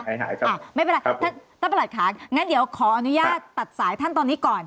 สัญญาณขาดใช่ไหมคะไม่เป็นไรท่านประหลัดขาดงั้นเดี๋ยวขออนุญาตตัดสายท่านตอนนี้ก่อน